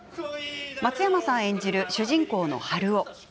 松山さん演じる主人公のハルオ。